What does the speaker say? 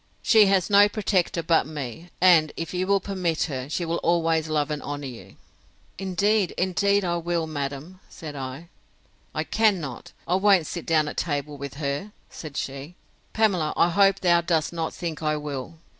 She has no protector but me; and, if you will permit her, she will always love and honour you.—Indeed, indeed I will, madam, said I. I cannot, I won't sit down at table with her, said she: Pamela, I hope thou dost not think I will?